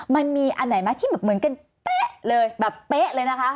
มันมีอันไหนไหมที่เหมือนกันเป๊ะเลยแบบเป๊ะเลยนะคะ